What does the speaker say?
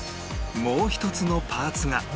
もう１つのパーツが